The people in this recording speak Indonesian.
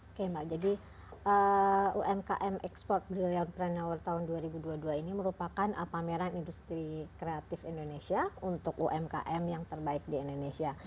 oke mbak jadi umkm export brilliant pranneur tahun dua ribu dua puluh dua ini merupakan pameran industri kreatif indonesia untuk umkm yang terbaik di indonesia